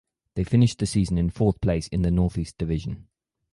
They finished the season in fourth place in the "Northeast Division".